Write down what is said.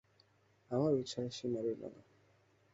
আমার উৎসাহের সীমা রইল না।